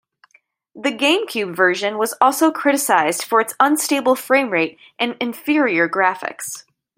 The GameCube version was also criticized for its unstable frame rate and inferior graphics.